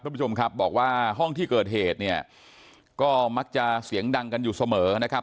คุณผู้ชมครับบอกว่าห้องที่เกิดเหตุเนี่ยก็มักจะเสียงดังกันอยู่เสมอนะครับ